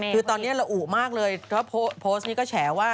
คือตอนนี้ระอุมากเลยเพราะโพสต์นี้ก็แฉว่า